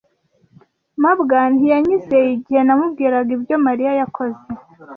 mabwa ntiyanyizeye igihe namubwiraga ibyo Mariya yakoze.